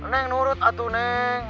neng nurut atuh neng